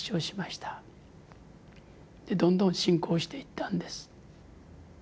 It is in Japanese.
どんどん進行していったんです。